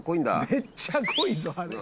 めっちゃ濃いぞあれ。